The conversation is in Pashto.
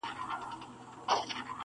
تور بخمل غوندي ځلېږې سر تر نوکه-